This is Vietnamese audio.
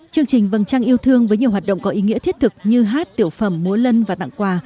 chương trình vâng trang yêu thương với nhiều hoạt động có ý nghĩa thiết thực như hát tiểu phẩm múa lân và tặng quà